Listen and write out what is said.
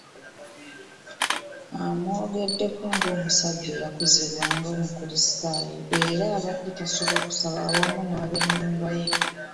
Amwogeddeko ng’omusajja eyakuzibwa nga mukulisitaayo era abadde tasubwa kusaba awamu n’abennyumba ye.